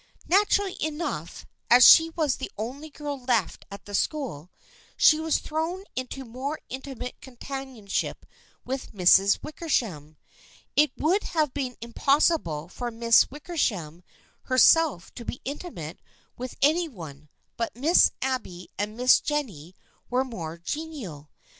Naturally enough, as she was the only girl left at the school, she was thrown into more intimate companionship with the Misses Wickersham. It would have been impossible for Miss Wickersham herself to be " intimate " with any one, but Miss Abby and Miss Jennie were more genial.